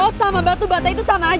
lu sama batu batai itu sama aja